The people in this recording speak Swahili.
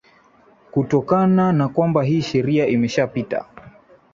kutokana na kwamba hii sheria imeshapita